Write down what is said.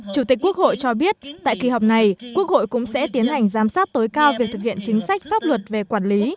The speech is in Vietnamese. chủ tịch quốc hội cho biết tại kỳ họp này quốc hội cũng sẽ tiến hành giám sát tối cao việc thực hiện chính sách pháp luật về quản lý